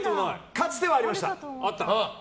かつてはありました。